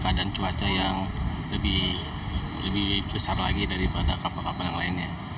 keadaan cuaca yang lebih besar lagi daripada kapal kapal yang lainnya